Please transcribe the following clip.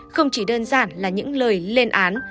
không chỉ đơn giản là những lời lên án